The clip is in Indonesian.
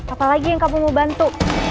apa lagi yang kamu mau bantu